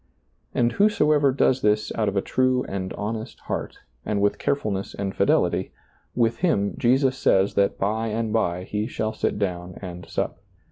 And whosoever does this out of a true and honest heart and with carefulness and fidelity, with him, Jesus says that by and by He shall sit down and sup.